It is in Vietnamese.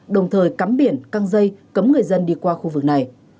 đồng thời cắm biển căng dây cấm người dân đi qua khu vực này